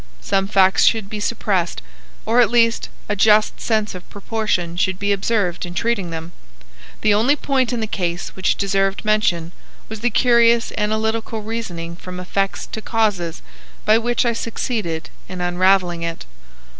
"Some facts should be suppressed, or at least a just sense of proportion should be observed in treating them. The only point in the case which deserved mention was the curious analytical reasoning from effects to causes by which I succeeded in unraveling it."